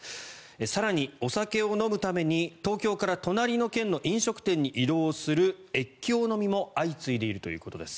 更に、お酒を飲むために東京から隣の県の飲食店に移動する越境飲みも相次いでいるということです。